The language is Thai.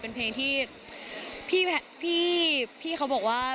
เป็นเพลงที่พี่เขาบอกว่า